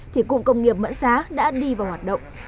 thì cụm công nghiệp mã xá đã đi vào hoạt động